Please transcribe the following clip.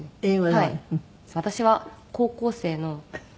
はい。